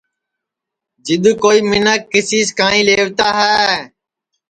جِدؔ کوئی مینکھ کسی سے کانئیں لَیوتا ہے